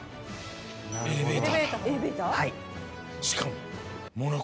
しかも。